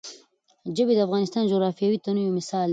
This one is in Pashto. ژبې د افغانستان د جغرافیوي تنوع یو مثال دی.